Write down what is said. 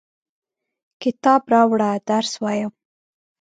کتاب راوړه ، درس وایم!